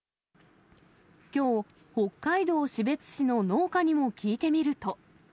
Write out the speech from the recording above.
きょう、北海道士別市の農家にも聞いてみると。